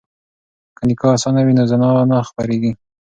که نکاح اسانه وي نو زنا نه خپریږي.